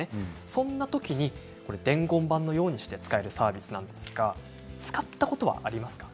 そのとき伝言板のようにして使えるサービスなんですが使ったことはありますか？